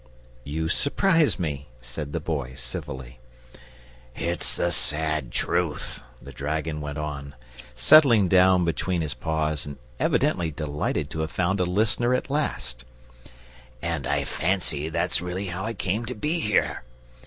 "You surprise me," said the Boy, civilly. "It's the sad truth," the dragon went on, settling down between his paws and evidently delighted to have found a listener at last: "and I fancy that's really how I came to be here.